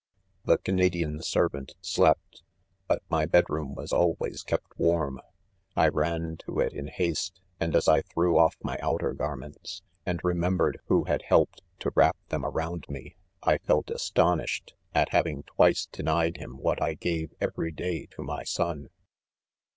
v 6 The Canadiah servant slept, but my bed room was always kept warm ; I ran to it ■ in haste, and as I thr^WoiT my outer garments, and remembered who had helped to wrap them around me, I felt astonished at having twice denied Mm what J gave every day to my son.